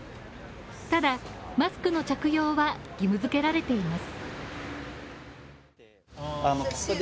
ただ、マスクの着用は義務付けられています。